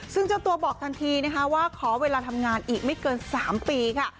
ซึ่งเจ้าตัวบอกทันทีนะคะว่าขอเวลาทำงานอีกไม่เกิน๓ปีค่ะ